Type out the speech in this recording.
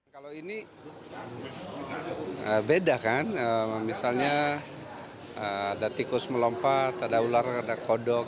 kalau ini beda kan misalnya ada tikus melompat ada ular ada kodok